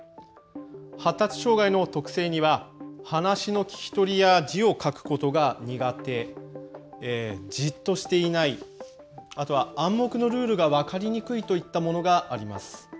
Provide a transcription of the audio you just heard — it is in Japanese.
発達障害の特性には話の聞き取りや字を書くことが苦手、じっとしていない、あとは暗黙のルールが分かりにくいといったものがあります。